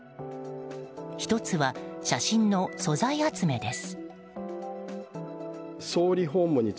１つは、写真の素材集めです。